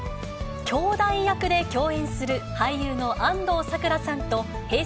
きょうだい役で共演する俳優の安藤サクラさんと、Ｈｅｙ！